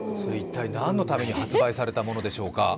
何のために発売されたものでしょうか？